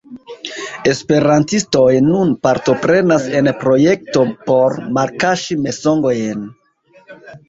Esperantistoj nun partoprenas en projekto por malkaŝi mensogojn.